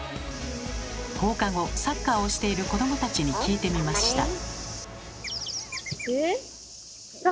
放課後サッカーをしている子どもたちに聞いてみました。